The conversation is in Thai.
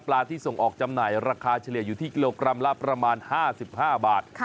ที่ส่งออกจำหน่ายราคาเฉลี่ยอยู่ที่กิโลกรัมละประมาณ๕๕บาท